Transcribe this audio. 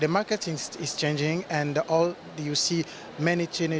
pemasaran berubah dan anda bisa melihat banyak anak muda